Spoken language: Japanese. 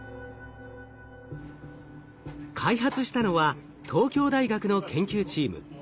開発したのは東京大学の研究チーム。